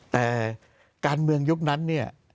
แต่การเมืองยุคนั้นเนี่ย